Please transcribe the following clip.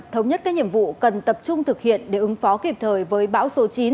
thống nhất các nhiệm vụ cần tập trung thực hiện để ứng phó kịp thời với bão số chín